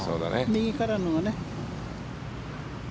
右からのがね。